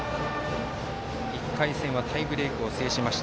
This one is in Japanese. １回戦はタイブレークを制しました。